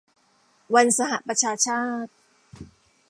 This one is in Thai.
วันสหประชาชาติ